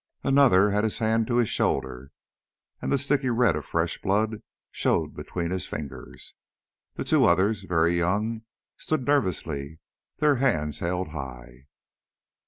Another had his hand to his shoulder, and the sticky red of fresh blood showed between his fingers. The two others, very young, stood nervously, their hands high.